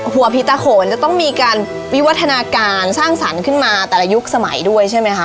หัวผีตาโขนจะต้องมีการวิวัฒนาการสร้างสรรค์ขึ้นมาแต่ละยุคสมัยด้วยใช่ไหมคะ